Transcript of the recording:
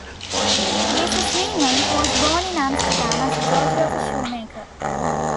Mrs. Niemans was born in Amsterdam as the daughter of a shoemaker.